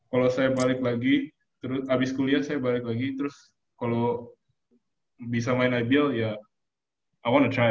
kalau saya balik lagi abis kuliah saya balik lagi terus kalau bisa main ibl ya i want to try